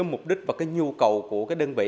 mục đích và nhu cầu của đơn vị